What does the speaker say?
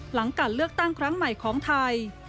หลังการเลือกตั้งครั้งใหม่ของไทย